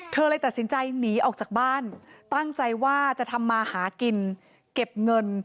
เลยตัดสินใจหนีออกจากบ้านตั้งใจว่าจะทำมาหากินเก็บเงิน